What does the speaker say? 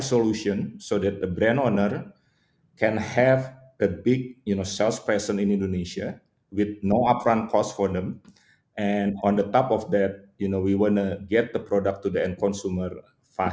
suka tentang perusahaan ini adalah anda sedang mencoba untuk membantu yang paling kecil dari mereka semua